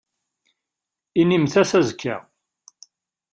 Inimt-as azekka.